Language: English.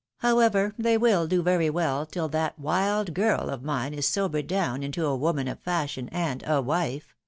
However, they will do very well till that wild girl of mine is sobered down into a woman of fashion, and a wife.